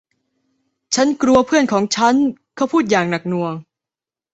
ฉันกลัวเพื่อนของฉันเขาพูดอย่างหนักหน่วง